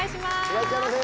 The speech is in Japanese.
いらっしゃいませ。